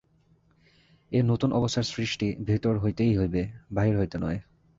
এই নূতন অবস্থার সৃষ্টি ভিতর হইতেই হইবে, বাহির হইতে নয়।